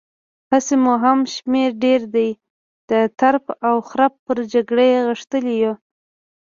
هسې مو هم شمېر ډېر دی، د ترپ او خرپ پر جګړې غښتلي يو.